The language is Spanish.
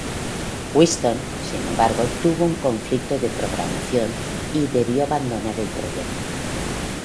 Winston, sin embargo, tuvo un conflicto de programación y debió abandonar el proyecto.